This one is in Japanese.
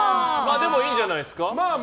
でもいいんじゃないですか？